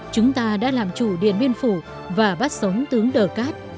chúng ta đã làm chủ điện biên phủ và bắt sống tướng đờ cát